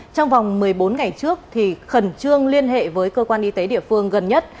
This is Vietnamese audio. trong vòng một mươi bốn ngày trước thì khẩn trương liên hệ với cơ quan y tế địa phương gần nhất